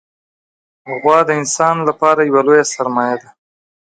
غوا د انسان لپاره یوه لویه سرمایه ده.